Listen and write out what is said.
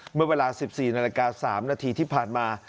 เมื่อเวลา๑๔นาฬิกา๓นาทีที่ผ่านมา